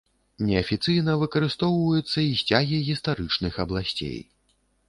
Неафіцыйна выкарыстоўваюцца і сцягі гістарычных абласцей.